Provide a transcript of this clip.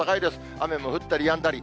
雨も降ったりやんだり。